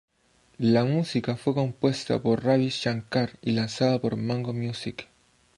La música fue compuesta por Ravi Shankar y lanzada por Mango Music.